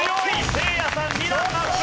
せいやさん２段アップ！